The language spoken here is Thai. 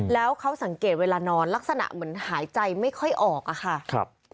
แล้วเขาสังเกตเวลานอนลักษณะเหมือนหายใจไม่ค่อยออกอะค่ะ